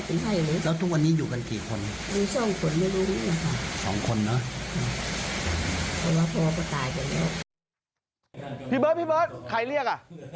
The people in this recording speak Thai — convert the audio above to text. พี่เบิ้ดใครเรียก